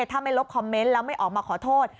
ถ้าไม่ลบคอมเมนต์แล้วไม่ออกมาขอโทษ